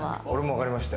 わかりました。